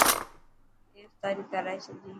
اي افتاري ڪرائي تو.